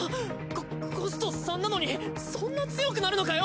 ココスト３なのにそんな強くなるのかよ！？